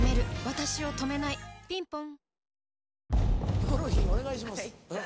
ヒコロヒーお願いします。